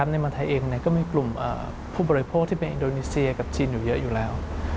ในเมืองไทยเองก็มีกลุ่มผู้บริโภคที่เป็นอินโดนีเซียกับจีนอยู่เยอะอยู่แล้ว